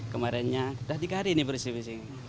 kemarinnya sudah tiga hari ini bersih bersih